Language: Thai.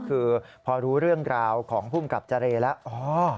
คือพอรู้เรื่องราวของผู้กำกับจารย์แล้ว